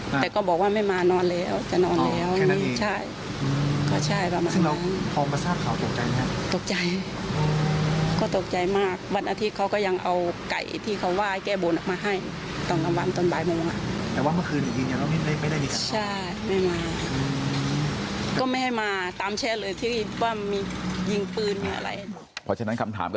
เพราะฉะนั้นคำถามครับ